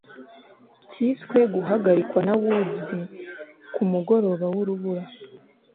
cyiswe guhagarikwa na woods ku mugoroba w'urubura